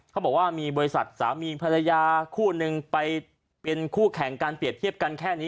เขาบอกว่ามีบริษัทสามีภรรยาคู่นึงไปเป็นคู่แข่งการเปรียบเทียบกันแค่นี้